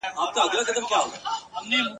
د هغه به څه سلا څه مشوره وي `